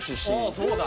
そうだ